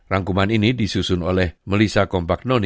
rangkuman ini disusun oleh melissa kompas